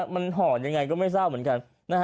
มันห่ออย่างไรก็ไม่เหรอเหมือนกัน